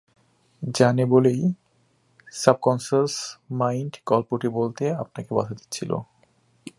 জানে বলেই subconscious mind গল্পটি বলতে আপনাকে বাধা দিচ্ছিল।